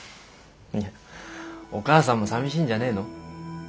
いやお母さんも寂しいんじゃねえの？